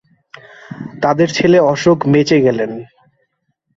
তাদের ছেলে অশোক বেঁচে গেলেন।